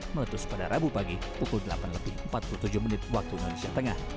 meletus pada rabu pagi pukul delapan lebih empat puluh tujuh menit waktu indonesia tengah